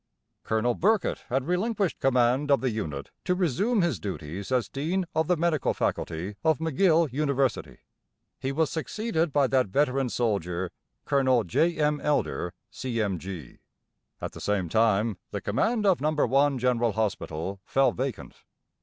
Colonel Birkett had relinquished command of the unit to resume his duties as Dean of the Medical Faculty of McGill University. He was succeeded by that veteran soldier, Colonel J. M. Elder, C.M.G. At the same time the command of No. 1 General Hospital fell vacant.